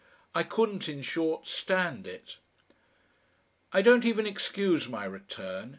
I couldn't, in short, stand it. I don't even excuse my return.